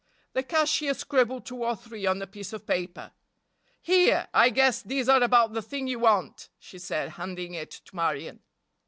The cashier scribbled two or three on a piece of paper. "Here, I guess these are about the thing you want," she said, handing it to Marion.